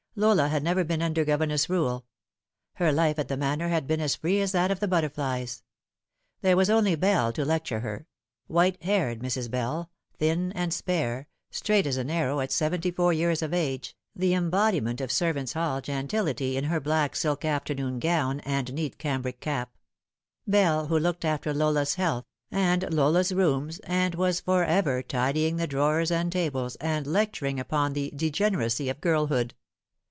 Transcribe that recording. Lola had never been under governess rule. Her life at the Manor had been as free as that of the butterflies. There was only Bell to 48 The Fatal Three. lecture her white haired Mrs. Bell, thin and spare, straight as an arrow, at seventy four years of age, the embodiment of ser vants' hall gentility, in her black silk afternoon gown and neat cambric cap Bell, who looked after Lola's health, and Lola's rooms, and was for ever tidying the drawers and tables, and lecturing upon the degeneracy of girlhood.